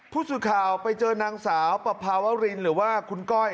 พรุษสุขาวไปเจอนางสาวปภาวะรินหรือว่าคุณก้อย